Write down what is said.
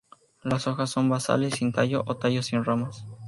Las hojas son basales sin tallo o tallo sin ramas.